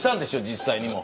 実際にも。